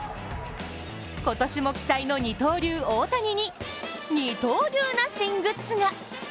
今年も期待の二刀流・大谷に二刀流な新グッズが。